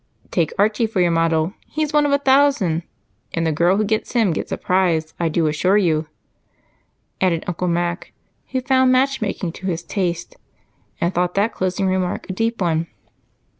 "Take Archie for your model he's one of a thousand, and the girl who gets him gets a prize, I do assure you," added Uncle Mac, who found matchmaking to his taste and thought that closing remark a deep one.